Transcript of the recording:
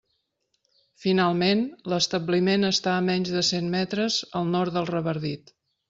Finalment, l'establiment està a menys de cent metres al nord del Revardit.